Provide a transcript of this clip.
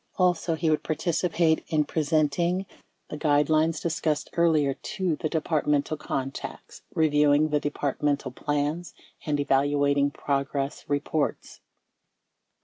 Also, he would participate in presenting the guidelines 22 18 Hearings 8610 . 370 discussed earlier to the Departmental contacts, reviewing the Departmental plans, and evaluating progress reports.